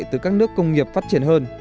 từ các nước công nghiệp phát triển hơn